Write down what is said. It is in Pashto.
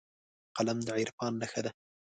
قلم د عرفان نښه ده